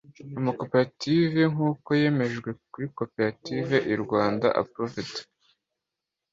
Amakoperative nk uko yemejwe ku wa Cooperatives in Rwanda approved